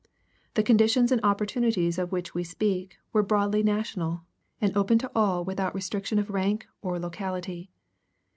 The conditions and opportunities of which we speak were broadly national, and open to all without restriction of rank or locality.